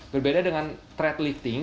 berbeda dengan thread lifting